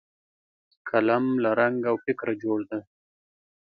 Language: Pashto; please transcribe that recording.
قلم له رنګ او فکره جوړ دی